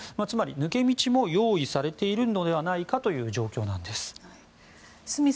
つまり、抜け道も用意されているのではないかという状況なんです。